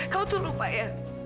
kamu tuh lupa ya